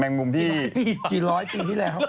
แมงมุมที่